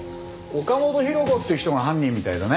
岡本博子っていう人が犯人みたいだね。